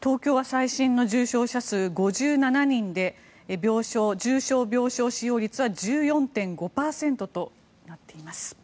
東京は最新の重症者数が５７人で重症病床使用率は１４．５％となっています。